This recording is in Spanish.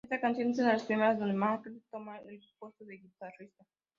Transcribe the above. Esta canción es una de las primeras donde McCartney toma el puesto de guitarrista.